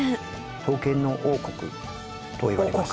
刀剣の王国といわれます。